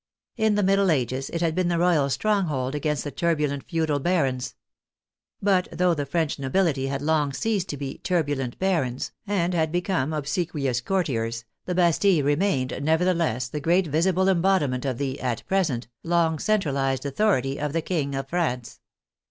In the middle ages it had been the Royal stronghold against the turbulent feudal barons. But though the French nobility had long ceased to be " turbulent barons " and had become ob sequious courtiers, the Bastille remained, nevertheless, the great visible embodiment of the, at present, long cen tralized authority of the King of France.